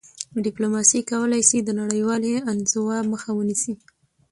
ډیپلوماسي کولای سي د نړیوالي انزوا مخه ونیسي..